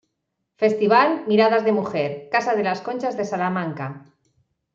Festival "Miradas de mujer," Casa de las Conchas de Salamanca.